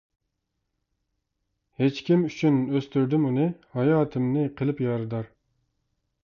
ھېچكىم ئۈچۈن ئۆستۈردۈم ئۇنى ھاياتىمنى قىلىپ يارىدار.